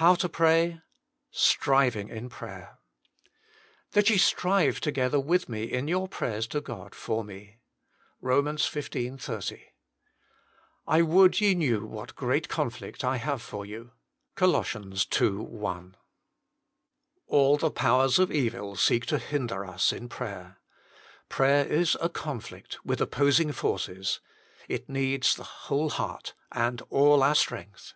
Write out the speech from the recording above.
HOW TO PRAY. Bribing in ^raner " That ye strive together with me in your prayers to God for me." ROM. xv. 30. "I would ye knew what great conflict I have for you." COL. ii. 1. All the powers of evil seek to hinder us in prayer. Prayer is a conflict with opposing forces. It needs the whole heart and all our strength.